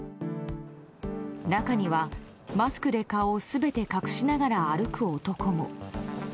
中には、マスクで顔を全て隠しながら歩く男も。